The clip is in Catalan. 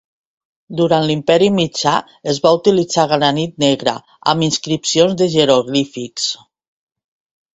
Durant l'Imperi mitjà, es va utilitzar granit negre amb inscripcions de jeroglífics.